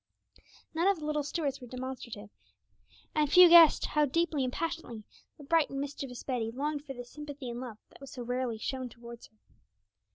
None of the little Stuarts were demonstrative, and few guessed how deeply and passionately the bright and mischievous Betty longed for the sympathy and love that was so rarely shown towards her.